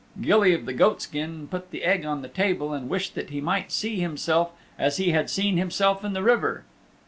Gilly of the Goatskin put the egg on the table and wished that he might see himself as he had seen himself in the river.